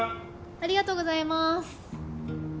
ありがとうございますＯＫ！